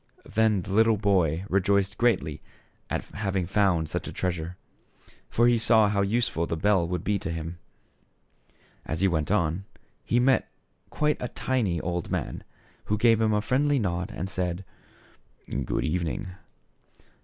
Then the little boy rejoiced greatly at having found such a treasure ; for he saw how useful the bell would be to him. As he went on, he met quite a tiny old man, who gave him a friendly nod and said, " Good evening."